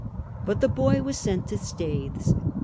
But the boy was sent to Staithes.